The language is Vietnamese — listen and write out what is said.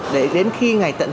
để đến khi ngày tận thể